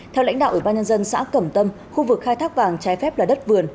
theo lãnh đạo ủy ban nhân dân xã cẩm tâm khu vực khai thác vàng trái phép là đất vườn